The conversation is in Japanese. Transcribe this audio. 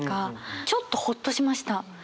ちょっとホッとしました。